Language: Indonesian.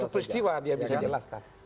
satu peristiwa dia bisa jelas kan